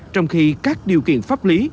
trong khi các điều kiện pháp lý